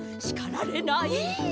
しかられない？ねえ。